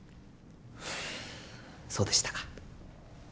そうでしたか。